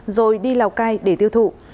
rồi đi lào cai để tiêu thụ